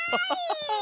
ハハハハハ。